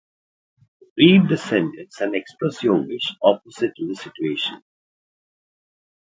Read the sentences and express your wishes, opposite to the situation.